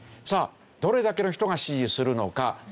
さあどれだけの人が支持するのか？